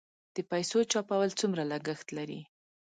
د پیسو چاپول څومره لګښت لري؟